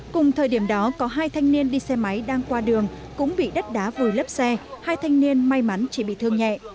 cùng thời điểm đó có hai thanh niên đi xe máy đang qua đường cũng bị đất đá vùi lấp xe hai thanh niên may mắn chỉ bị thương nhẹ